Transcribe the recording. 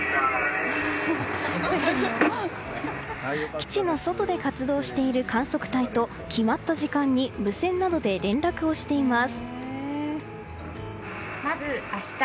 基地の外で活動している観測隊と決まった時間に無線などで連絡をしています。